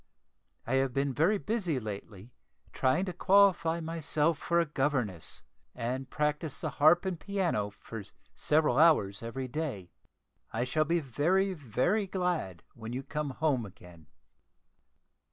I have been very busy lately, trying to qualify myself for a governess, and practise the harp and piano for several hours every day. I shall be very very glad when you come home again."